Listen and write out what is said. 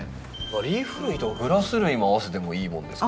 リーフ類とグラス類も合わせてもいいもんですか？